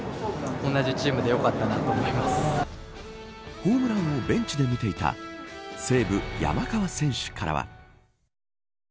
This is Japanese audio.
ホームランをベンチで見ていた西武、山川選手からは。